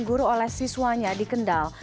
guru oleh siswanya di kendal